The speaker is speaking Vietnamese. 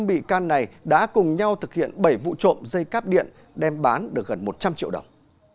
năm bị can này đã cùng nhau thực hiện bảy vụ trộm dây cắp điện đem bán được gần một trăm linh triệu đồng